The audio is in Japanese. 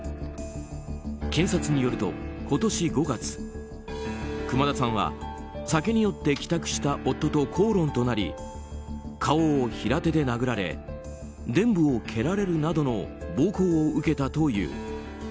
検察によると、今年５月熊田さんは酒に酔って帰宅した夫と口論となり顔を平手で殴られでん部を蹴られるなどの暴行を受けたという。